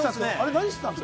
何してたんですか？